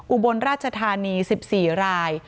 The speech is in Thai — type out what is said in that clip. อุบลราชธานี๑๔ราย